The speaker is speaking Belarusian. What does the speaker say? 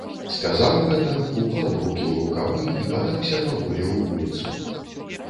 Сказаў гэта, уклаў рукі ў рукавы і падаўся паволі ў вуліцу.